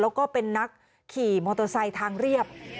แล้วก็เป็นนักขี่มอเตอร์ไซค์ทางเรียบ